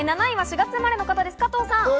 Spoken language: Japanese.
７位は４月生まれの方、加藤さん。